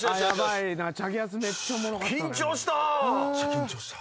緊張した！